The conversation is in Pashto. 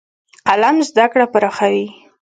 قلم زده کړه پراخوي.